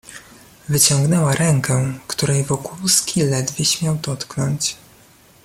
"Wyciągnęła rękę, której Wokulski ledwie śmiał dotknąć."